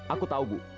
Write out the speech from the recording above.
aku tahu bu